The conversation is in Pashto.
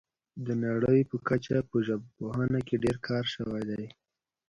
د نړۍ په کچه په ژبپوهنه کې ډیر کار شوی دی